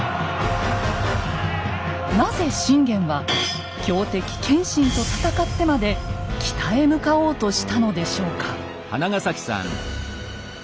なぜ信玄は強敵・謙信と戦ってまで北へ向かおうとしたのでしょうか。